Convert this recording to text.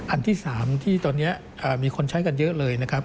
อันที่๓ที่ตอนนี้มีคนใช้กันเยอะเลยนะครับ